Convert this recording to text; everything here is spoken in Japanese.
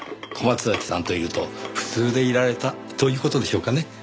小松崎さんといると普通でいられたという事でしょうかね。